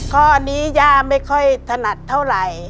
ข้อนี้ย่าไม่ค่อยถนัดเท่าไหร่